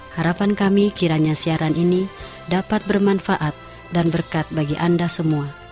harapan kami kiranya siaran ini dapat bermanfaat dan berkat bagi anda semua